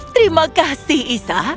terima kasih isa